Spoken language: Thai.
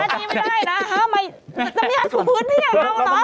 น้ำยาถูกพื้นอย่างเงาอ่ะ